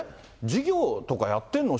事業とかやってるの？